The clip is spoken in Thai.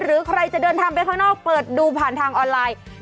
หรือใครจะเดินทางไปข้างนอกเปิดดูผ่านทางออนไลน์